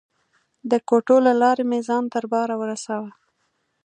د کوټو له لارې مې ځان تر باره ورساوه.